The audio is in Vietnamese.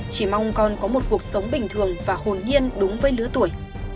chỉ mong con có một cuộc sống bình thường và hồn nhiên đúng với lứa tuổi